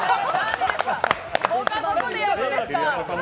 他、どこでやるんですか！？